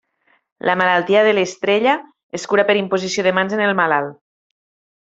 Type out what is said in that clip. La malaltia de l'estrella es cura per imposició de mans en el malalt.